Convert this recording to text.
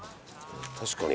確かに。